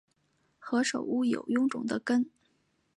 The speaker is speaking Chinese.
何首乌有臃肿的根